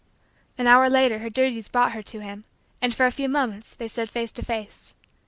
An hour later her duties brought her to him, and, for a few moments, they stood face to face.